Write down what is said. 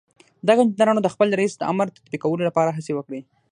دغو انجنيرانو د خپل رئيس د امر تطبيقولو لپاره هڅې وکړې.